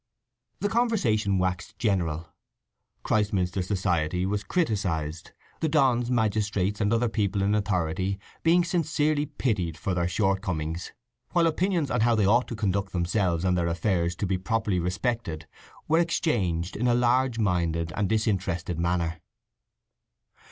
The conversation waxed general. Christminster society was criticized, the dons, magistrates, and other people in authority being sincerely pitied for their shortcomings, while opinions on how they ought to conduct themselves and their affairs to be properly respected, were exchanged in a large minded and disinterested manner.